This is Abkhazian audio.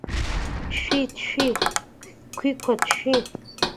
Ҭәшьи, ҭәшьи, Қәиқәа, ҭәшьи!